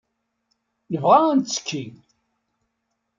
Nebɣa ad nettekki.